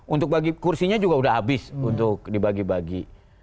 untuk bagi kursinya juga sudah habis untuk dibagi bagi